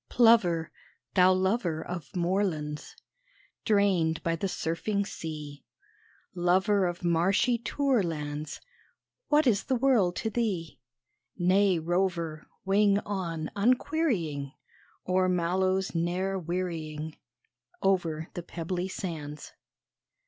Plover, thou lover Of moorlands Drained by the surfing sea Lover of marshy tourlands, What is the world to thee? Nay rover, wing on unquerying O'er mallows ne'er wearying Over the pebbly sands!